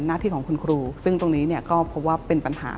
หน้าที่ของคุณครูซึ่งตรงนี้เนี่ยก็พบว่าเป็นปัญหา